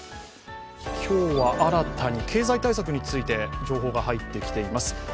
今日は新たに経済対策について情報が入ってきています。